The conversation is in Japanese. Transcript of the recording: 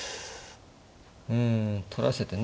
うん取らせてね。